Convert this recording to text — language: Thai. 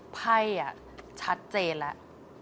ไพ่ชัดเจนแล้ว